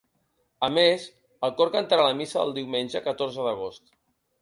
A més, el cor cantarà la missa del diumenge catorze d’agost.